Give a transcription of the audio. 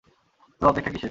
তো, অপেক্ষা কীসের?